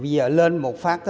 vì giờ lên một phát